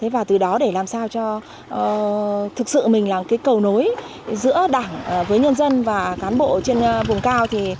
và từ đó để làm sao cho thực sự mình là cầu nối giữa đảng với nhân dân và cán bộ trên vùng cao